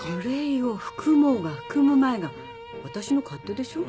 憂いを含もうが含むまいが私の勝手でしょ。